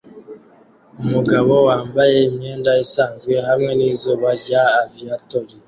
Umugabo wambaye imyenda isanzwe hamwe nizuba rya aviator